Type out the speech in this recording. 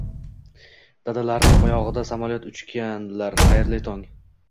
Dadalarining oyog'ida "samolyot" uchganlar, xayrli tong!